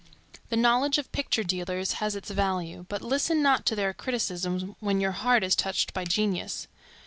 The knowledge of picture dealers has its value, but listen not to their criticism when your heart is touched by genius.